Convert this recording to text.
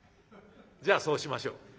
じゃあそうしましょう」。